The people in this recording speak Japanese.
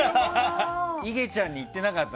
いげちゃんにいってなかった。